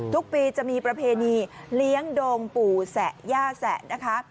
ทุกปีจะมีประเพณีเลี้ยงดงปู่แสะย่าแสะนะคะ